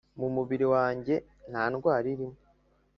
Mu mubiri wanjye nta ndwara irimo